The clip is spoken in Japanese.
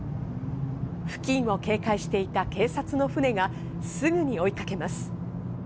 付近を警戒していた警察の船が、すぐに追いかけます。